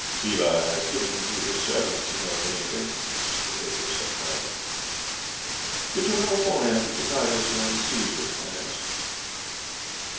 "'Siva has given to his servant to know many things,' he said quietly. "'Did you know beforehand that the tiger was going to seize you?' I asked.